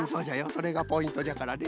それがポイントじゃからね。